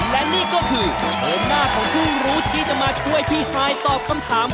และนี่ก็คือโฉมหน้าของผู้รู้ที่จะมาช่วยพี่ฮายตอบคำถาม